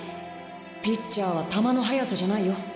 ピッチャーは球の速さじゃないよ